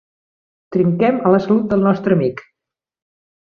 Trinquem a la salut del nostre amic!